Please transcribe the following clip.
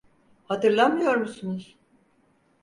Hatırlamıyor musunuz?